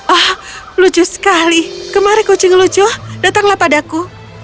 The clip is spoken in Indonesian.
oh lucu sekali kemari kucing lucu datanglah padaku